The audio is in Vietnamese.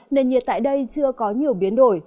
nền nhiệt tại đây chưa có nhiều biến đổi